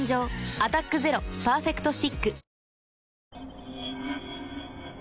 「アタックＺＥＲＯパーフェクトスティック」